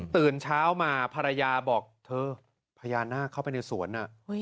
ตื่นเช้ามาภรรยาบอกเธอภรรยาหน้าเข้าไปในสวนอ่ะ